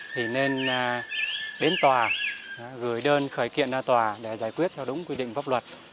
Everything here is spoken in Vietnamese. thì nên đến tòa gửi đơn khởi kiện ra tòa để giải quyết theo đúng quy định pháp luật